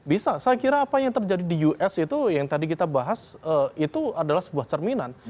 bisa saya kira apa yang terjadi di us itu yang tadi kita bahas itu adalah sebuah cerminan